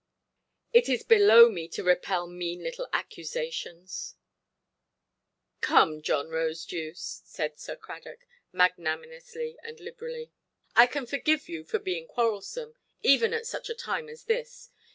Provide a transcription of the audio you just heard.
"It is below me to repel mean little accusations". "Come, John Rosedew", said Sir Cradock, magnanimously and liberally, "I can forgive you for being quarrelsome, even at such a time as this.